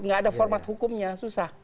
nggak ada format hukumnya susah